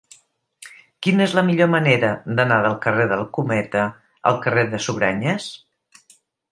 Quina és la millor manera d'anar del carrer del Cometa al carrer de Sugranyes?